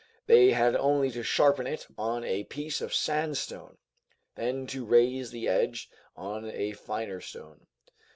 They had only to sharpen it on a piece of sandstone, then to raise the edge on a finer stone.